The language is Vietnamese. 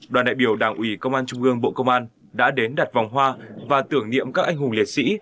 đoàn đại biểu đảng ủy công an trung ương bộ công an đã đến đặt vòng hoa và tưởng niệm các anh hùng liệt sĩ